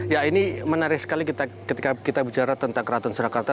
ya ini menarik sekali ketika kita bicara tentang keraton surakarta